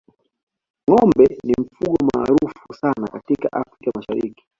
ngombe ni mfugo maarufu sana katika afrika mashariki